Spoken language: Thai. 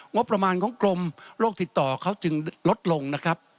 งบประมาณของกรมโรคติดต่อเขาจึงลดลงนะครับ